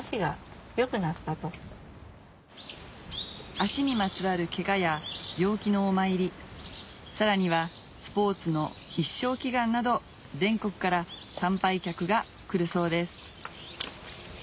足にまつわるケガや病気のお参りさらにはスポーツの必勝祈願など全国から参拝客が来るそうです